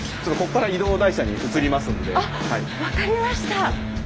あ分かりました。